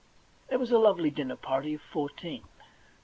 It was a lovely dinner party of fourteen.